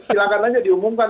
silahkan aja diumumkan